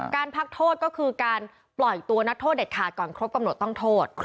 การพักโทษก็คือการปล่อยตัวนักโทษเด็ดขาดก่อนครบกำหนดต้องโทษ